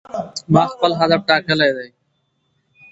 ما خپل هدف ټاکلی دی.